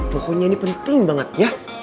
pokoknya ini penting banget ya